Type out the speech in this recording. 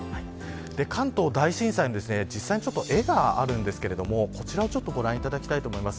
関東大震災の実際の絵がありますがこちらをご覧いただきたいと思います。